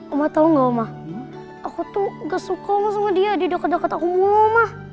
oma tau gak omah aku tuh gak suka sama dia di deket deket aku loh mah